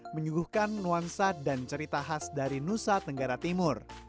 menyuguhkan nuansa dan cerita khas dari nusa tenggara timur